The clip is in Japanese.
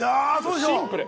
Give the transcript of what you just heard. シンプル。